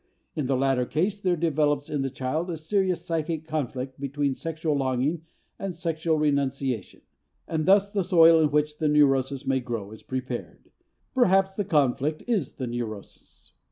In the latter case there develops in the child a serious psychic conflict between sexual longing and sexual renunciation and thus the soil in which a neurosis may grow is prepared. Perhaps the conflict is the neurosis.